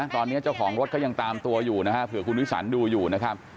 ตอนนี้เจ้าของรถก็ยังตามตัวอยู่นะฮะเผื่อคุณวิสันดูอยู่นะครับ